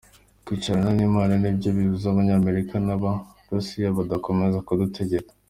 Ati: “Kwicarana n’Imana ni byo bizabuza Abanyamerika n’Abarusiya badakomeza kudutegeka.